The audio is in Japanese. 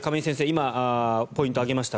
今、ポイントを挙げました